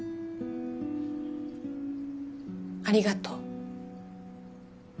ありがとう。